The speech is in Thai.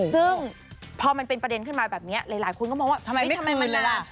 ซึ่งพอมันเป็นประเด็นขึ้นมาแบบนี้หลายคนก็มองว่าทำไมมันเวลา